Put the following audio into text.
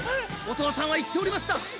お父さんは言っておりました。